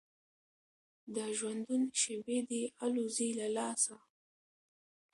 د ژوندون شېبې دي الوزي له لاسه